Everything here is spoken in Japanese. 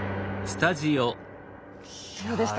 どうでした？